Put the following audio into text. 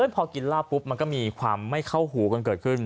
พอกินเหล้าปุ๊บมันก็มีความไม่เข้าหูกันเกิดขึ้น